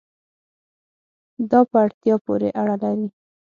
دا په اړتیا پورې اړه لري